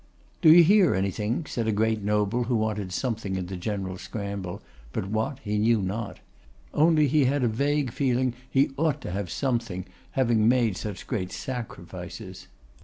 'Do you hear anything?' said a great noble who wanted something in the general scramble, but what he knew not; only he had a vague feeling he ought to have something, having made such great sacrifices.